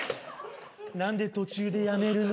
なんで途中でやめるの？